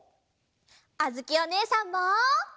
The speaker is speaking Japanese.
あづきおねえさんも！